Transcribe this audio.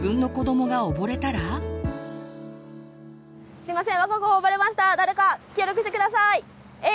すみません。